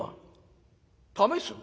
「試す？